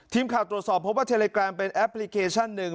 ทีมข่าวตรวจสอบพบว่าเทเลแกรมเป็นแอปพลิเคชันหนึ่ง